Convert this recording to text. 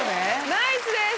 ナイスです！